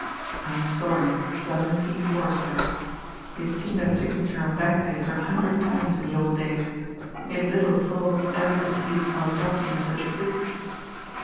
"I'm sorry.... Fleming P. Forrester" he had seen that signature on bank paper a hundred times in the old days; he had little thought ever to see it on a document such as this!